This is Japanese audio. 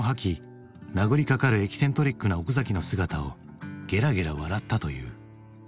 殴りかかるエキセントリックな奥崎の姿をゲラゲラ笑ったという。